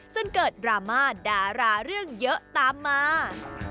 จนเกิดดราม่าดาราเรื่องเยอะตามมา